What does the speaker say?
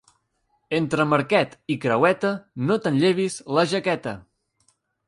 Entre Marquet i Creueta, no te'n llevis la jaqueta.